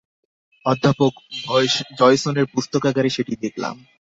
অধ্যাপক ডয়সনের পুস্তকাগারে সেটি দেখলাম।